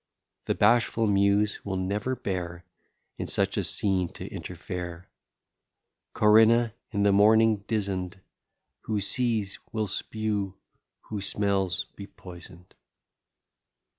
The bashful Muse will never bear In such a scene to interfere. Corinna, in the morning dizen'd, Who sees, will spew; who smells, be poison'd.